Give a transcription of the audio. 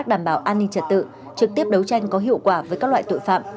đảm bảo an ninh trật tự trực tiếp đấu tranh có hiệu quả với các loại tội phạm